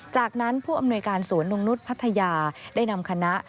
จากนั้นผู้อำนวยการสวนนงนุษย์พัทยาได้นำคณะ